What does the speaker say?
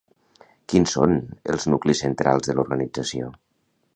Quins són els nuclis centrals de l'organització?